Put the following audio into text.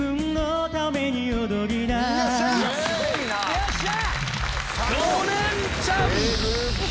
よっしゃ！